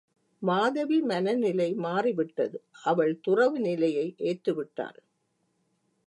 மாதவி மனநிலை மாறிவிட்டது அவள் துறவு நிலையை ஏற்று விட்டாள்.